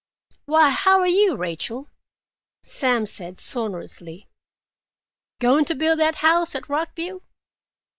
"Why, how are you, Rachel?" Sam said sonorously. "Going to build that house at Rock View?"